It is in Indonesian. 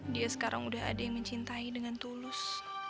dia sekarang udah ada yang mencintai dengan tulus